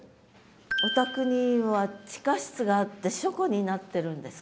お宅には地下室があって書庫になってるんですか？